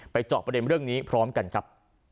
เจาะประเด็นเรื่องนี้พร้อมกันครับ